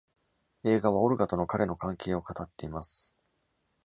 映画はオルガとの彼の関係を語っています。